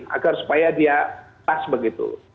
agar supaya dia tas begitu